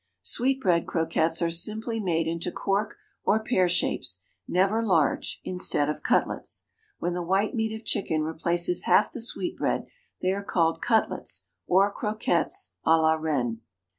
Sweetbread croquettes are simply made into cork or pear shapes, never large, instead of cutlets. When the white meat of chicken replaces half the sweetbread, they are called Cutlets, or Croquettes, à la Reine.